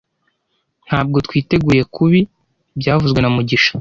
Ntabwo twiteguye kubi byavuzwe na mugisha